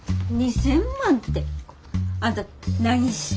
２，０００万てあんた何して？